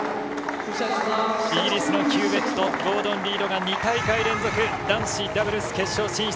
イギリスのヒューウェットゴードン・リードが２大会連続男子ダブルス決勝進出。